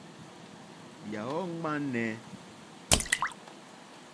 Yàɔ́ !ŋmánɛ́.